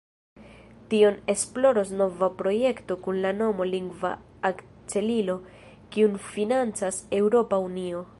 Tion esploros nova projekto kun la nomo "Lingva Akcelilo", kiun financas Eŭropa Unio.